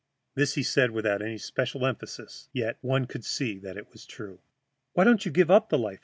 This he said without any special emphasis, yet one could see that it was true. "Why don't you give up the life?"